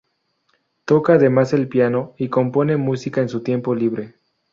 Toca además el piano y compone música en su tiempo libre.